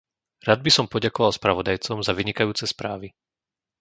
Rád by som poďakoval spravodajcom za vynikajúce správy.